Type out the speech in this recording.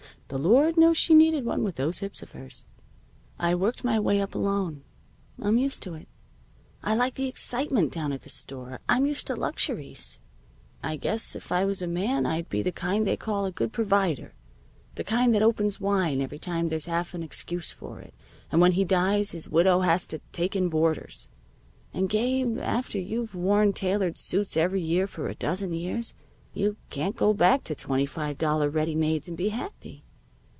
The Lord knows she needed one, with those hips of hers. I worked my way up, alone. I'm used to it. I like the excitement down at the store. I'm used to luxuries. I guess if I was a man I'd be the kind thy call a good provider the kind that opens wine every time there's half an excuse for it, and when he dies his widow has to take in boarders. And, Gabe, after you've worn tailored suits every year for a dozen years, you can't go back to twenty five dollar ready mades and be happy."